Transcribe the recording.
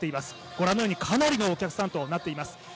ご覧のようにかなりのお客さんとなっています。